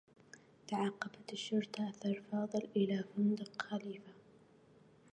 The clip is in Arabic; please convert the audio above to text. تعقّبت الشّرطة أثر فاضل إلى فندق خليفة.